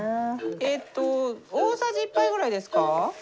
えっと大さじ１杯ぐらいですか？